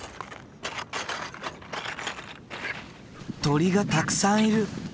鳥がたくさんいる。